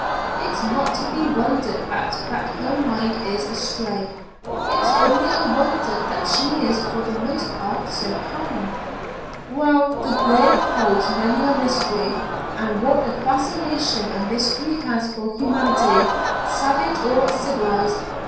It's not to be wondered at that her mind is astray. It's only a wonder that she is for the most part so calm." "Well, the grave holds many a mystery, and what a fascination a mystery has for humanity, savage or civilized!